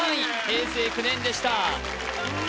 平成９年でしたおおっ